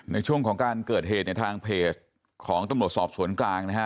ในช่วงของการเกิดเหตุในทางเพจของตำรวจสอบสวนกลางนะฮะ